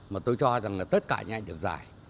mà tôi cho rằng là tất cả những anh được giải